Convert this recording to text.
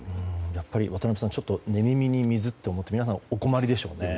やっぱり渡辺さん寝耳に水と思って皆さん、お困りでしょうね。